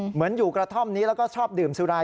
เหมือนอยู่กระท่อมนี้แล้วก็ชอบดื่มสุราย